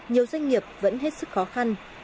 nhiều doanh nghiệp vẫn hết sức khó khăn